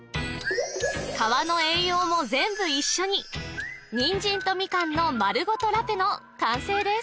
皮の栄養も全部一緒に人参とみかんのまるごとラペの完成です